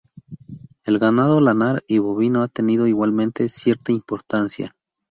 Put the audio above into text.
El ganado lanar y bovino ha tenido, igualmente, cierta importancia.